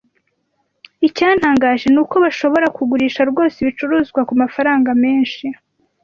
Icyantangaje nuko bashobora kugurisha rwose ibicuruzwa kumafaranga menshi.